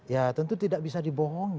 ya tentu tidak bisa dibohongi